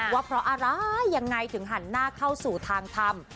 ว่าเพราะอะไรยังไงถึงหันหน้าเข้าสู่ทางทำ